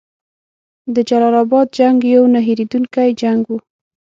د جلال اباد جنګ یو نه هیریدونکی جنګ وو.